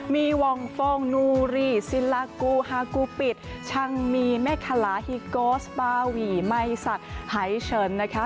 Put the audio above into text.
มีวองฟองนูรีซิลากูฮากูปิดช่างมีแม่คาลาฮิโกสบาวีไมศักดิ์หายเฉินนะคะ